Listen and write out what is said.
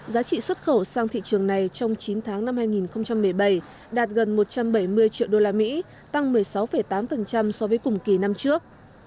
giá trị xuất khẩu sang thị trường này trong chín tháng năm hai nghìn một mươi bảy đạt gần một trăm bảy mươi triệu usd tăng một mươi sáu tám so với cùng kỳ năm trước